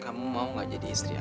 kamu mau gak jadi istri